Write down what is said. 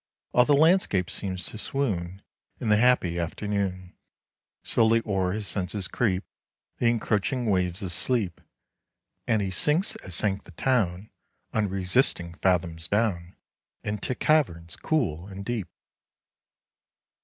All the landscape seems to swoon 80 In the happy afternoon; Slowly o'er his senses creep The encroaching waves of sleep, And he sinks as sank the town, Unresisting, fathoms down, 85 Into caverns cool and deep!